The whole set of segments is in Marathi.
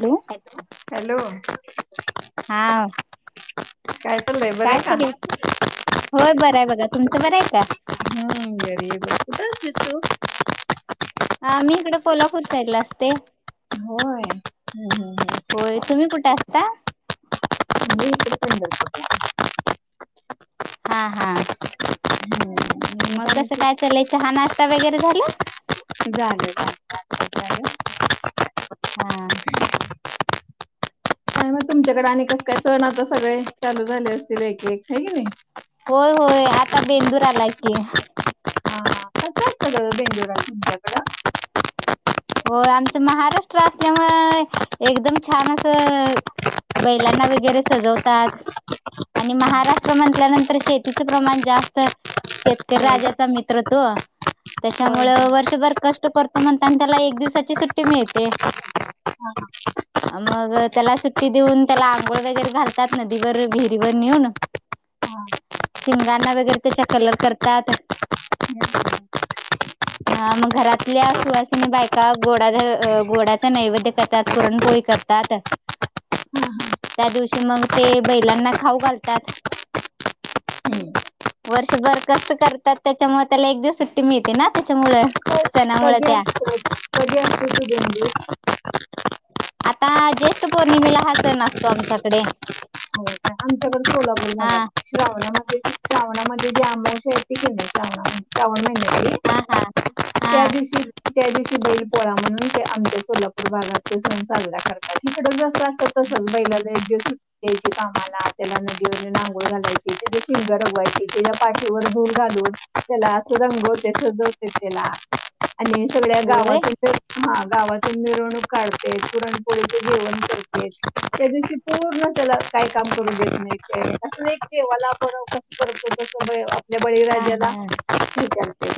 हॅलो अच्छा हॅलो हा काय चाललय बर आहे काय का.. करे होय बरं आहे बघा तुमचं बरं आहे का हाय बरी बघ.. ह. घरी हाय बघ कुठ होतीस तू हा मी इकडे कोल्हापूर साईड ला असते होय. हम्म हम्म हम्म. होय तुम्ही कुठे असता मी ईकडंच हाय हा हा हम्म आणि मग कसं काय म्हणतीस? चाललंय चहा नाश्ता वगैरे झाला झालाय की हा काय तुमच्याकडे आणि कस काय सण आता सगळे चालू झाले असतील एक एक होय की नाही हो होय आता बेंदूर आलाय की हा हा. कसं असतं ग बेंदुरा तुमच्याकडं? हो आमचं महाराष्ट्र असल्यामुळे एकदम छान असं बैलांना वगैरे सजवतात आणि हा महाराष्ट्र म्हटल्यानंतर शेतीचं प्रमाण जास्त शेतकरी होय राजाचा मित्र तो होय त्याच्यामुळे की. वर्षभर कष्ट करतो म्हणता त्याला एक दिवसाची सुट्टी मिळते हा हा. मग त्याला सुट्टी देऊन त्याला आंघोळ वगैरे घालतात नदीवर विहिरीवर नेऊन हम्म. शिंगांना वगरे त्या कलर करतात मग घरातल्या सुवासिनी नी बायका गोडा गोडाच नैवेद्य करतात पुरणपोळी करतात हा हा त्या दिवशी मग ते बैलांना खाऊ घालतात हम्म. वर्षभर कष्ट करतात त्याच्यामुळे त्याला एक दिवस सुट्टी मिळते ना त्याच्यामुळ क- सणामुळे कधी त्या असतो कधी असतो तो बेंदूर? आता ज्येष्ठ पौर्णिमेला हा सण असतो आमच्याकडे हो का? आमच्याकडे सोलापूर हा भागात श्रावणामध्ये श्रावणामध्ये जी अमावस्या येते की नाही श्रावणा श्रावण महिन्यातली हा हा हा त्या दिवशी त्या दिवशी आमच्या सोलापूर मग ते सण साजरा करतात मग बैलाला एक दिवस. [unintelligible] कामाला, त्याला नदीवरून अंघोळ घालायची, त्याची शिंग रंगवायची त्याच्या पाठीवर झूल घालून त्याला असं रंगवतात, सजवतात त्याला. आणि सगळ्या होय गावातून. [unintelligible] गावातून मिरवणूक काढतात. पुरणपोळीचे जेवण करतात. त्या दिवशी पूर्ण त्याला काही काम करू देत नाही. असं नाही [unintelligible] [unintelligible] हा बळीराजाला हा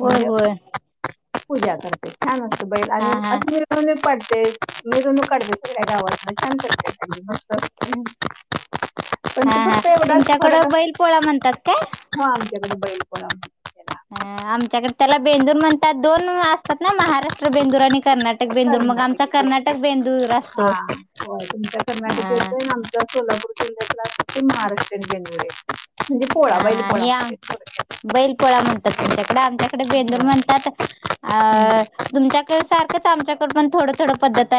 होय होय पूजा करते छान. बैल आणि हा [inaudible] हा ते मिरवणूक काढत्यात सगळ्या गावातून छान करतात मस्तं असत. हा हा तुमच्याकडे बैलपोळा म्हणतात कायं. असतो आमच्याकडे बैलपोळा म्हणतात. हं, आमच्याकडे त्याला बेंदूर म्हणतात. दोन असतात ना महाराष्ट्र बेंदूर आणि कर्नाटक बेंदूर मग आमचा कर्नाटकी कर्नाटक बेंदूर असतो. हा होय तुमचा कर्नाटक अ.. पश्चिम महाराष्ट्र जंगले हा हा हे बैलपोळा म्हणतात. तुमच्याकडे आमच्याकडे बेंदूर होय. म्हणतात. हम्म अ तुमच्याकडे सारखंच आमच्याकड पण थोडी-थोडी पद्धत.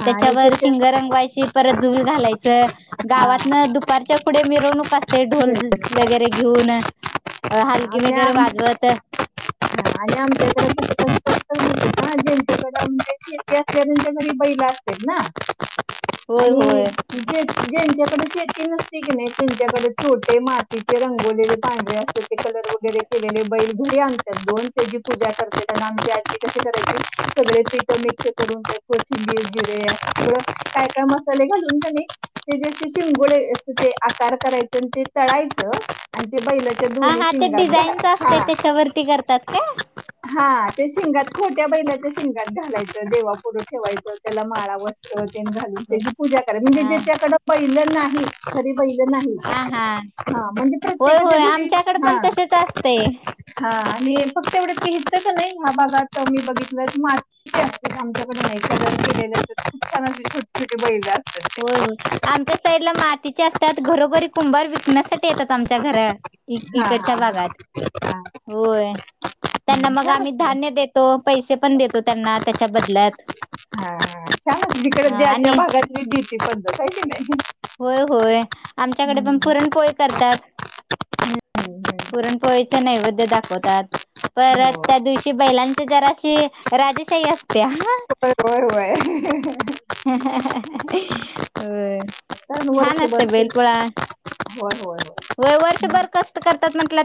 हा आणि त्याच्यावर त्याच्या शिंग रंगवायची, परत झूल घालायचं हा गावातून दुपारच्या पुढे मिरवणूक असते. ढोल वेगळंच आहे. घेऊन. [inaudible] हा हलगी वगैरे वाजवत ज्यांच्याकडे म्हणजे शेती असतात, त्यांच्याकडे बैल असतात ना. होय आणि होय [unintelligible] ज्यांच्याकडे शेती नसते की नाही, त्यांच्याकडे छोटे मातीचे रंगवलेले पांढरे असते. कलर वगैरे केलेले बैल घरी आणतात दोन त्यांची पूजा करतात त्यांना आमची आजी कस करायची सगळे तिखट मिक्स करून त्यात कोथिंबीर जिरे काय काय मसाले घालून त्यानी त्याचे शिंगोळे अस ते आकार करायचे आणि ते तळायचं बैलाच्या. हा हा [unintelligible] ते डिझाईन्स हा असते त्याच्यावरती करतात का? हा ते शिंगात खोट्या बैलाच्या शिंगात घालायचं, देशापुढे ठेवायचे, त्याला माळा, वस्त्र... [unintelligible] घालून हो. त्याची पूजा करायची, म्हणजे हा ज्याच्याकडे बैल नाही. [unintelligible] खरी. बैल नाही, हा म्हणजे होय प्रत्येकाच्या होय घरी.. आमच्याकडे पण तसेच असते. मी फक्त एवढंच की हित की नाही या भागात मी बघितलंय मातीचे असतात. आमच्याकडे नाही कलर केलेले असतात. खूप छान अस छोटे- छोटे बैल... असतात ते होय आमच्या साईडला मातीचे असतात घरोघरी कुंभार विकण्यासाठी येतात आमच्या घरा हा इकडच्या हा हा भागात हा. होय त्यांना हम्म, मग छान आम्ही असते धान्य देतो पैसे पण देतो त्यांना त्याच्या बदलात हा ह आणि ीती ब काही नाही [unintelligible] होय होय आमच्याकडे पण हम्म, पुरणपोळी करतात हम्म, हम्म. पुरणपोळीचे नैवेद्य दाखवतात परत हो त्या दिवशी बैलांच जरा राजेशाही असते हो होय वय अ [unintelligible] कारण छान वर्षभर असते शे बैलपोळा होय होय व होय वर्षभर कष्ट करतात म्हटल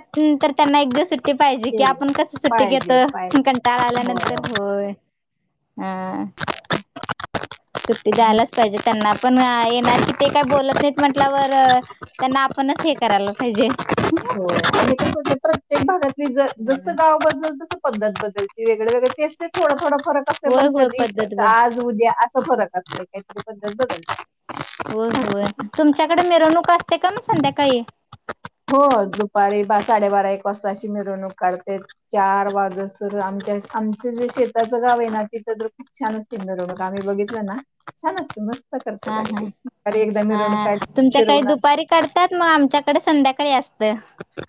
त्यांना एक दिवस सुट्टी पाहिजे की येईल आपण कस सुट्टी पाहिजे घेतो कंटाळा पाहिजे आल्यानंतर होय हा सुट्टी द्यायलाच पाहिजे त्यांना पण येणार कि ते काय बोलत नाहीत म्हटल्यावर त्यांना आपणच हे करायला पाहिजे हो आ [unintelligible] ते भागात ह जसं गाव बदलल तस पद्धत बदल वेगळे वगळे ते सते थोड थडं खर कसं होय होय पद्धत पणत बर आज उद्या फरक काहीतरी पद्धत बदलते होय होय तुमच्याकडे मिरवणूक असते का म संध्याकाळी सकाळी साडेबारा एक वाजता अशी मिरवणूक काढते चार वाजसर आमच्या आमच जे शेताचं गाव आहे ना तिथं तर खूप छान असते मिरवणूक आम्ही बघितलं ना छान असते मस्त हा करतात हा अगदी अरे एकदा हा मिरवणूक ह काढ तुमच्या काही फिरवून आण दुपारी काढतात मग आमच्याकडे संध्याकाळी असतात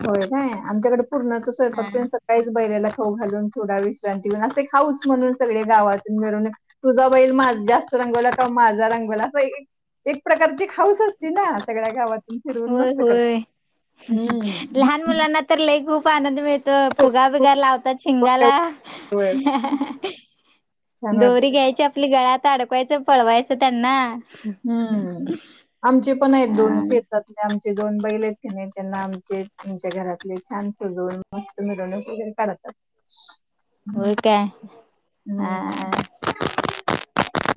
होय काय आणिम त्याकडे पूर्णाच स्वयंपाक सकाळीच बैलाला घालून थोडा विश्रांती घऊन असे खाऊस म्हणून सगळे गावातून घरून तुझा बैल मा जास्त रंगवला कि माझा रंगवला अस एक एक प्रकारची खाऊस असते ना सगळ्या गावात तम फिरवून होय मस्त कर होय लहान मुलांना तर लई पाण्या व [unintelligible] त फुगा बिगार लावतात होय शिंगाला होय. होय. छान दोरी वाटतं. घ्यायची आपल्या गळ्यात आडकवायचं पळवायचं त्यांना हम्म आमचे पण आहेत अ दोनशे तज्ञ. आमचे दोन बैले त्यांना आमचे म्हणजे घरातले छान सजवुन मस्त मिरवणू वगैरे काढतात. हम्म. होकाय अ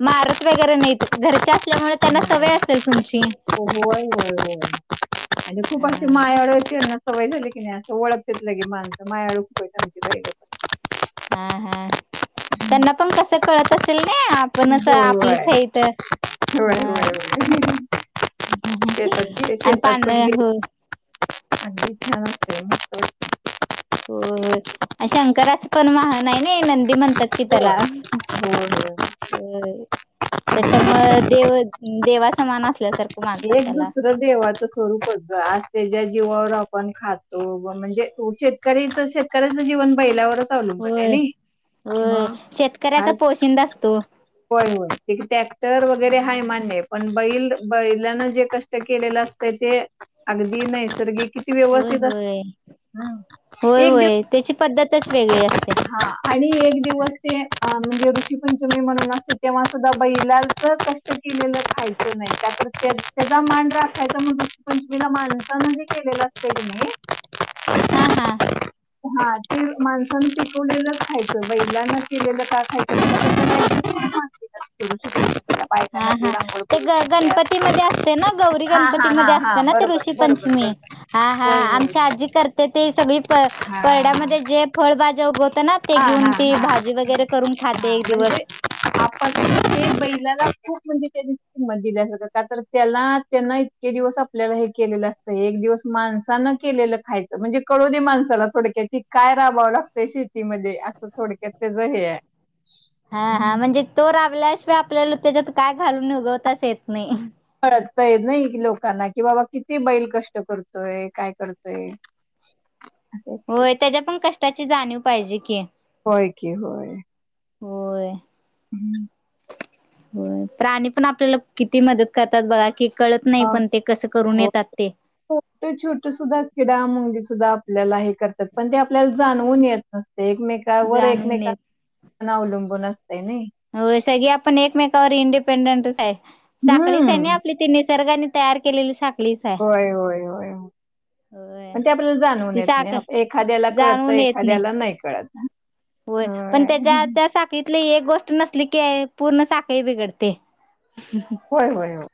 मारत वगैरे नाहीत. घरच्या असल्यामुळे त्यांना सवय असेल तुमची होय होय होय आणि खूप अे अं मायाडु आहे. त्याना सवय कि नाही असं ओळखत्यात लगेच माणसं मायाळु आमची. हा हा. त्यांना पण कस कळत असेल ना आपणच होय, आपलीच हे तर ह होय, होय, होय. शेतात आणि पान हो. अज इ थ नस्ते मस्त [unintelligible] हो शंकराच पण महान आहे ना. हे नंदी म्हणतात की वाटतं. त्याला. होय. होय, होय. त्याच्यामुळं देव देवासमान असल्यासारखं. मानतात एक त्याला. दुसरं देवाचं स्वरूपत आज त्याच्या जीवावर आपण. पण खातो व म्हणजे शेतकरी शेतकऱ्याच जीवन बदलावेच. होय होय शेतकऱ्याचा आज पोशिंद असतो. होय हो ते टॅक्टर वगैरे हाय मान्य पण. बैल बैलान जे कष्ट केलेलं असत ते अगदी नैसर्गिक. किती होय व्यवस्थित अस होय होय दिव होय त्याची पद्धतच वेगळी असते हा आणि एक दिवस ते म्हणजे ऋशीपंचमीला. तुम्ही म्हनला. तेव्हा सुद्धा बैलाचं काही तरी. केलेलं खायचं नाही का तर त्या त्याचा मान राखायचा म्हणून. पचलेल माणसा म्हनजे केलेलं असते की नाय. हा हा हा ते माणसन पिकवलेलंच खायचं बैलांना केलेलं का खायचं नाही. जा [inaudible] हा हा ते ग गणपतीमध्ये असते ना गौरी हा हा हा ग हां, हां, हां, गणपतीमध्ये हां. असते ना गैरी गणपती मध्ये ते बरोबर, ऋषी बरोबर, पंचमी बरोबर. हा हा होय, होय. आमची आजी करते ते सगळी प हां. परड्यामध्ये जे फळभाज्या होत. ना ते हां, घेऊन हां, ती हां, भाजी वगैरे करून खाते हां. एक म्हणजे दिवस. आपण ते बैलाला खूप म्हणजे त्यानी किंमत दिली अस का तर त्याला त्यांन इतके दिवस आपल्याला हे केलेलं असतं एक दिवस माणसानं केलेलं खायचं म्हणजे कळून दे माणसाला थोडक्या त काय राबवावं लागतं शेत. शेेती मध्ये असं थोडक्यात त्याच हे आहे. हा हा म्हणजे तो राब आपल्याशिवाय आपल्याला त्याच्यात काय घालून उगवताच येत नाही. कळतय नाही लोकांना कि बाबा किती बैल कष्ट करतोय काय करतोय. असं असते होय त्याच्या पण कष्टाची जाणीव पाहिजे की. कि होय. होय. हम्म. हो प्राणी पण आपल्याला किती मदत करतात बघा. कि कळत नाही अं, पण ते कस करून हो येतात ते. दा आपल्याला हे करतात पण ते आप पल्याला जानवुन येत नसतय एकमेकावर जाणून एकमेक ' येत ' अवलंबून अस होय सगळी आपण एकमेक इंडिपेंडेंटच आहे साखळीच आहे हम्म आपली तिन निसर्गाने तयार केलेली साख होय होय होय होय. होय पण ते आपल्याला जाणवून ती येत नाही साखर आप एखाद्याला कळत जाणवून येत एखाद्याला नाही कळत हम होय पण त्याच्या त्या साखळीतली एक गोष्ट ष्ट नसली की पूर्ण साखळी बिघडते होय होय हो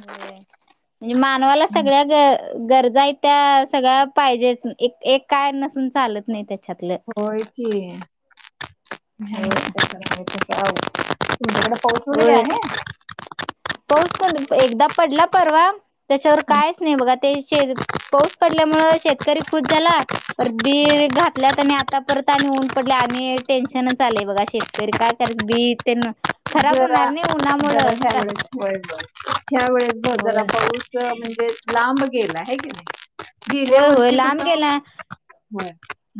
होय म्हण्जे मानवाला हम्म. सगळ्या ग गरजाही त्या सगळ्या पाहिजेच एक एक काय नसून चालत नाही त्या हो की खाय हो जावु होय पाऊस कोणद एकदा पडला परवा त्याच्यावर कायच नाही बघा ते शद पाऊस पडल्यामुळ शेतकरी खुश झाला पर बी होय घातल्यात आणि आता परत आणि ऊन पडले आणि टेन्शनच आलेय बघा शेतकरी काय कररा बी तेन खराब जरा होणार नाही जरा उन्हामुळं त्यागळेच वय बग ह्यावेळेस बग जरा होय पाऊस म्हणजे लांब गला हे कनी व्हय व्हय लांब गेलाय. होय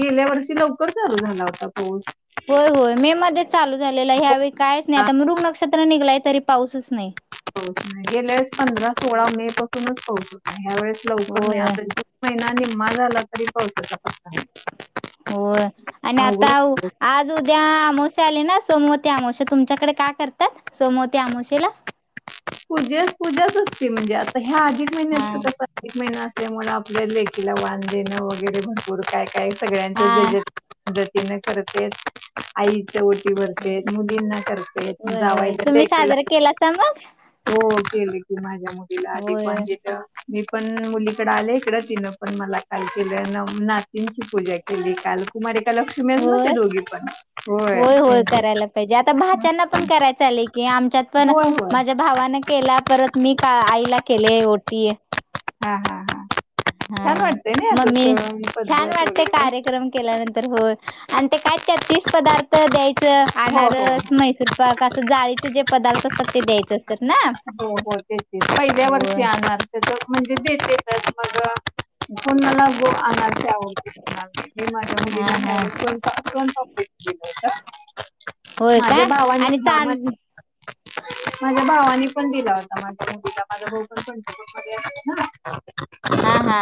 गेल्या वर्षी लवकर चालू झाला होता कोर्स! होय होय मे मध्ये चालू झालेलं आहे ह्यावेळी कायच नाही होता आता मृग नक्षत्र निघालयच तरी पाऊसस नई हो गेल्याळेस पंधरा सोळा मे पासूनच पउस ह्यावेळेस लवकर नाही होय आता जुन महि ना निम्मा झाला तरी पावसाचा पत्ता ना होय आणि आता उ आज उद्या आमोसा आले ना सोमवती अमोशा तुमच्याकडे काय करतात सोमवती अमवशेला पूजेस पूजाच असते म्हणजे आता हि ह्या अधिक हा महिन्यात कस प्रतिक महिन्या तेमु आपल्या लेखीला वानं देेणं वगैरे भरपूर काय कायं सगळ्यांच जे हा. जे द तीने करते आईच ओटी भरतेत मुलींना करते होय होय जावायला तुम्ही लेकी साजरा केलासा मग? हो के ले कि माहिती मुलीला अधी होय. म्हणजेथ मी पणन मुलीकड आले इकडं तिनं पण मला काल केलंन नातींची पूजा केली काल कुमार त्या लक्ष्मीच नते होय दोघी पण होय त्यांचे करायला पाहिजे आता भाच्यांना पण कराय चाललंय की आमच्यात [inaudible] पण होय होय माझ्या भावानं केला परत मी का आईला केले ओटी हा हा हा छान हाआ वाटतंय ना मम्मी असं सण छान पद्धत वाटते वगैरे पण कार्यक्रम केल्यानंतर होय आणि ते काय त्या तीसं पदार्थ द्यायचं हो आनार हो स म्हैसूर पाक असं जाळीचे जे पदार्थ असतात ते द्यायच असतात ना हो हो तेच [inaudible] होय जिदी ते [unintelligible] [unintelligible] धुन ला गो आनांद [inaudible] हा हा [inaudible] [inaudible] [inaudible] होय का आणि हा मा चांनअ माझ्या भावाने पण दिला होता माझ्या पण दिला माझा भाऊ पण पण हा हा हा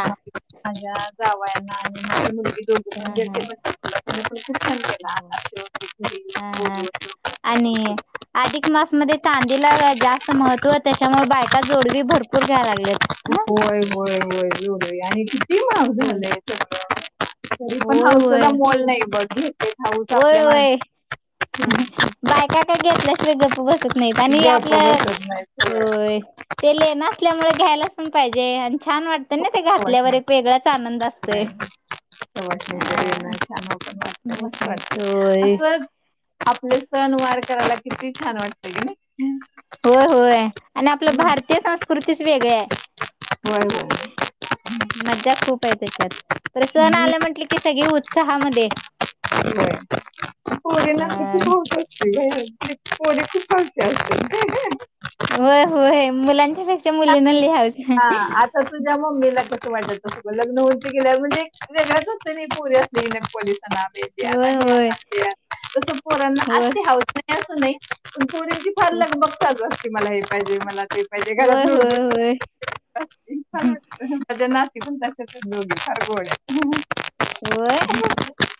माझ्या जावयाना आणि माझी मुगी दो द प हा ज हा [unintelligible] हा हा घरी बोलवून आणि अधिक मास मध्ये चांदीला जास्त महत्त्व त्याच्यामुळे बायका जोडवी भरपूर घ्यायला लागलेत होय होय होय [inaudible] होय आणि किती माग झालाय [inaudible] पण होय होय हौसला मोॉल नाही बघ ह [inaudible] होय होय बायका का घेतल्याशी वे गप बसत नाहीत आणि गप्प आपलं बसत नाहीत होय ते ले नसल्यामुळे घ्यायलाच पण पाहिजे जे अन छान वाटतं ना ते घातल्यावर एक वेगळाच आनंद असतोय सवासणीच येणं अ छान पण वाटत मा मस्त [inaudible] वाटते. होय असं आपले सण वार करायला किती छान वाटत की नी होय होय आणि आपलं भारतीय संस्कृतीच वेग [inaudible] होय होय. [unintelligible] मजा खूप आहे त्याच्यात प्रस हम्म आ म्ह की सग चहामध्ये होय. [inaudible] [inaudible] होय होय मुलांच्या पेक्ष असे मुूल्य न लिहावज वाटतं लग्न होत गे म्हणजे वेगळातच पोरी असली पोली होय होय. हे तसं पोरना हे आणा ते आणा होय असते हौस नाही का अस नाही पुरीेची फार लग बग चालू मला हे पाहिजे मला ते पाहिजे घर होय होय होय. [inaudible] ण दोघी ख गोळ्या [inaudible] होय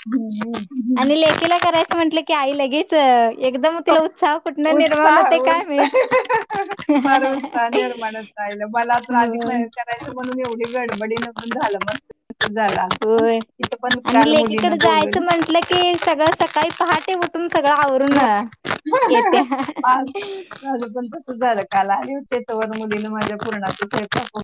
हम्म. आणि लेकीला करायचं म्हंटलं की आई लगेच एकदम तिला उत्साह कुठनं निर्माण उत्साह होतय काय उत्सा माहित. फार उत्साह निर्माणत होत आईला मला तर अधिक होय महिन्यात करायची म्हणून एवढी गडबडीनं पण झालं मग होय आणि मुलीनं लेकीकडे बोलवली जायचं म्हंटलं की सगळं सकाळी पहाटे उठून सगळं आवरून ये त्या माझं पण तसं झालं काल आली होती तोवर मुलीन माझ्या पुरणाचा स्वयंपाक